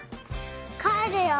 かえるよ。